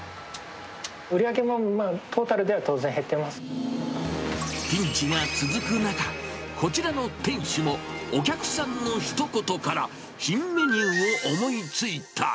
売り上げもトータルでは当然ピンチが続く中、こちらの店主もお客さんのひと言から、新メニューを思いついた。